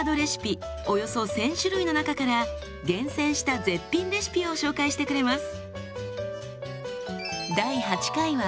およそ１，０００種類の中から厳選した絶品レシピを紹介してくれます。